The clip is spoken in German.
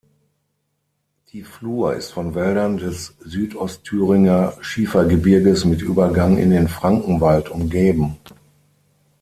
Die Flur ist von Wäldern des Südostthüringer Schiefergebirges mit Übergang in den Frankenwald umgeben.